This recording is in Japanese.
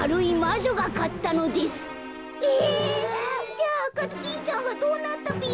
じゃああかずきんちゃんはどうなったぴよ？